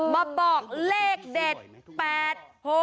มาบอกเลขเด็ด๘๖